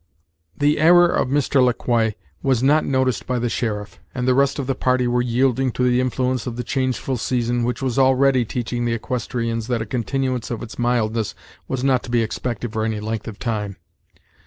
The error of Mr. Le Quoi was not noticed by the sheriff; and the rest of the party were yielding to the influence of the changeful season, which was already teaching the equestrians that a continuance of its mildness was not to be expected for any length of time.